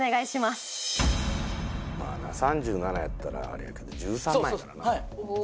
まぁな３７やったらあれやけど１３万やからな。